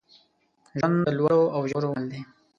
ژوند د لوړو او ژورو مل دی.